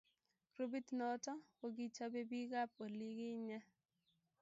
Grupit noto kokichobe bik ab olikinye.